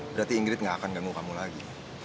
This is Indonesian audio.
berarti ingrid nggak akan ganggu kamu lagi